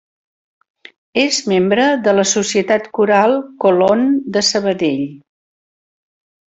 És membre de la Societat Coral Colon de Sabadell.